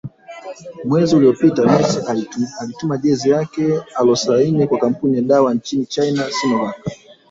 Mwezi uliopita Messi alituma jezi yake alioisaini kwa kampuni ya dawa nchini China Sinovac